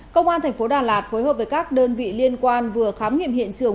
công an tp đà lạt phối hợp với các đơn vị liên quan vừa khám nghiệm hiện trường